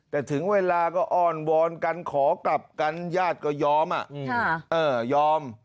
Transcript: แต่ถึงเวลาก็อ้อนวอนกันขอกลับกันญาติก็ยอมยอม